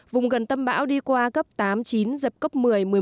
vùng gần tâm bão đi qua cấp tám chín dập cấp một mươi một mươi một